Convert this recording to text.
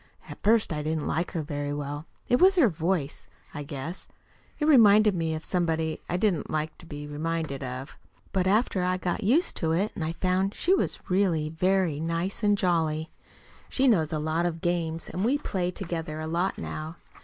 At first I didn't like her very well. It was her voice, I guess. It reminded me of somebody I didn't like to be reminded of. But after I got used to it I found she was really very nice and jolly. She knows lots of games, and we play together a lot now.